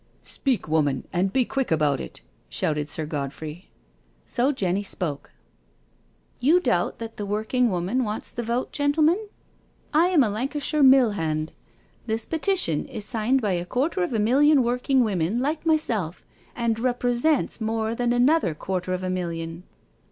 " Speak, womaUj and be quick about it," shouted Sir Godfrey. So Jenny spoke. " You doubt that the working woman wants the vote, gentlemen? I am a Lancashire mill hand • This Petition is signed by a quarter of a million working women like myself, and represents more than another quarter of a knillion